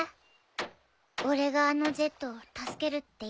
俺があのＺを助けるって言ったばっかりに。